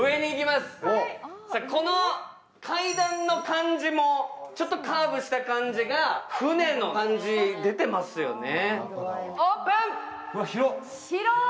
この階段の感じもちょっとカーブした感じが船の感じ出てますよね。